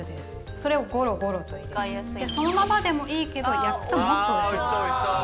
それをゴロゴロと入れてそのままでもいいけど焼くともっとおいしい。